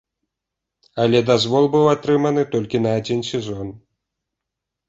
Але дазвол быў атрыманы толькі на адзін сезон.